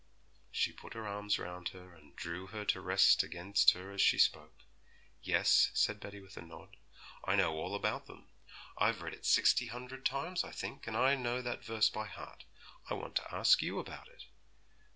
She put her arms round her, and drew her to rest against her as she spoke, 'Yes,' said Betty with a nod; 'I know all about them; I've read it sixty hundred times, I think, and I know that verse by heart. I want to ask you about it.'